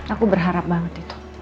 aku berharap banget itu